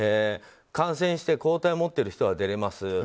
感染して抗体を持っている人は出られます。